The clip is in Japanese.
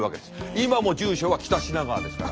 今も住所は北品川ですから。